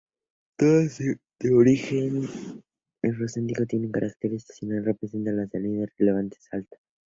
Todas son de origen endorreico, tienen carácter estacional y presentan una salinidad relativamente alta.